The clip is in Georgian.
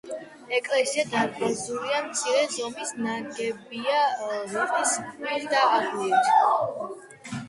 ეკლესია დარბაზულია, მცირე ზომის ნაგებია რიყის ქვით და აგურით.